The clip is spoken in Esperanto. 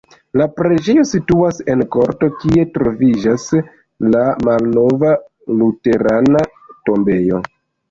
La preĝejo situas en korto, kie troviĝas la malnova luterana tombejo.